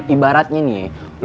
ibaratnya nih lo